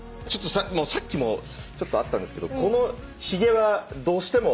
さっきもちょっとあったんですけどこのひげはどうしても。